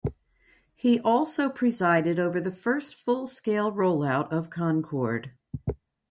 He also presided over the first full scale roll-out of Concorde.